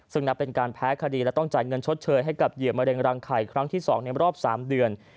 ซึ่งนับเป็นการแพ้คดีและต้องจ่ายเงินชดเชยให้กับเหยื่อมะเร็งรังไข่ครั้งที่๒ในรอบ๓เดือน